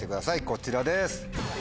こちらです。